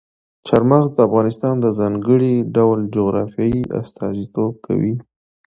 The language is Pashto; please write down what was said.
چار مغز د افغانستان د ځانګړي ډول جغرافیې استازیتوب کوي.